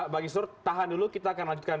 pak isur tahan dulu kita akan lanjutkan